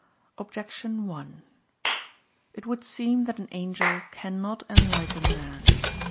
Objection 1: It would seem that an angel cannot enlighten man.